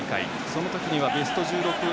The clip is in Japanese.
そのときにはベスト１６